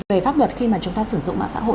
về pháp luật khi mà chúng ta sử dụng mạng xã hội